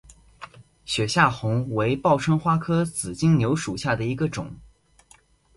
雪下红为报春花科紫金牛属下的一个种。